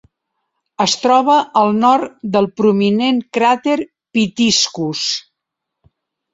Es troba al nord del prominent cràter Pitiscus.